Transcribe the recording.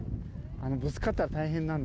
ぶつかったら大変なんで。